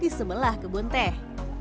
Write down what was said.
di sebelah kebun teh